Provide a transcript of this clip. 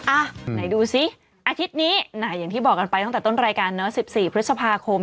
อ่ะไหนดูสิอาทิตย์นี้อย่างที่บอกกันไปตั้งแต่ต้นรายการเนอะ๑๔พฤษภาคม